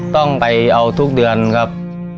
ต้องไปเอาทุกเดือนครับ